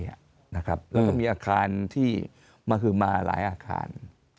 แล้วก็มีอาคารที่มหือมาหลายอาคาร